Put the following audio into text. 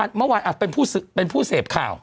เมื่อวานเป็นผู้เสพข่าว